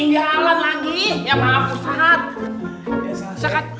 ya allah ya allah